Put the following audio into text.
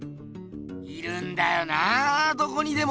いるんだよなどこにでも！